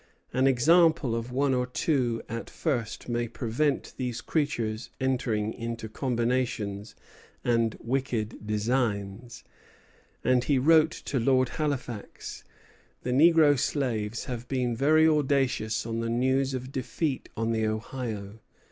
"An example of one or two at first may prevent these creatures entering into combinations and wicked designs." And he wrote to Lord Halifax: "The negro slaves have been very audacious on the news of defeat on the Ohio.